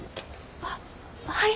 あっはい。